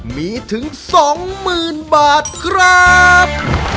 มีถึง๒๐๐๐บาทครับ